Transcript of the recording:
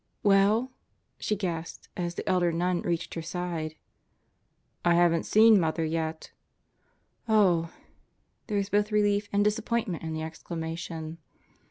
"Well?" she gasped as the elder nun reached her side. "I haven't seen Mother yet." "Oh I" There was both relief and disappointment in the exclamation.